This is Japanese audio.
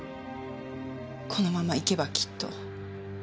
このままいけばきっと。